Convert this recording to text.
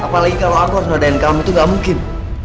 apalagi kalau agor nodain kamu tuh gak mungkin